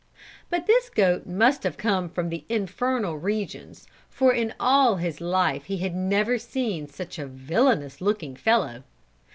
But this goat must have come from the infernal regions for in all his life he had never seen such a villainous looking fellow.